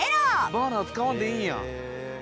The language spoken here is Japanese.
バーナー使わんでいいんや。